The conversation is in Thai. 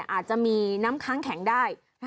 อาจจะมีน้ำค้างแข็งได้